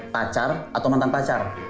pacar atau mantan pacar